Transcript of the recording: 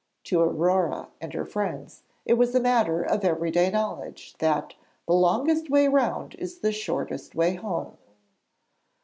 To Aurore and her friends it was a matter of everyday knowledge that 'the longest way round is the shortest way home.'